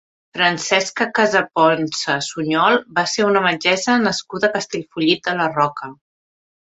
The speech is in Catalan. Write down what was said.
Francesca Casaponsa Suñol va ser una metgessa nascuda a Castellfollit de la Roca.